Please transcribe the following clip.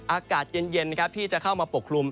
อากาศเย็นที่จะเข้ามาปกคลุม